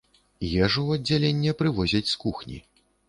Ежу ў аддзяленне прывозяць з кухні.